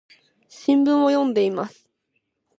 新聞を読んでいます。